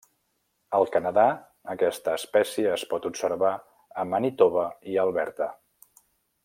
Al Canadà, aquesta espècie es pot observar a Manitoba i Alberta.